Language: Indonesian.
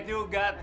boleh juga tuh